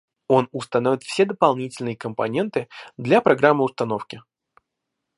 Он установит все дополнительные компоненты для программы установки